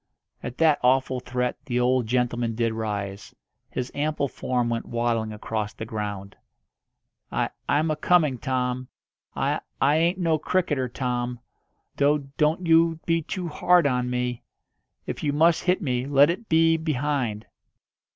At that awful threat the old gentleman did rise. His ample form went waddling across the ground. "I I'm a coming, Tom. I I ain't no cricketer, Tom. Do don't you be too hard on me. If you must hit me, let it be behind."